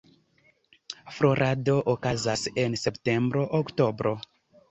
Florado okazas en septembro–oktobro.